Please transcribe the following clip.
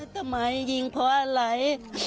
ทำไมยิงเพราะอะไร